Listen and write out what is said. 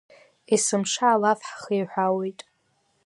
Есымша алаф ҳхиҳәаауеит.